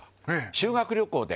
修学旅行で。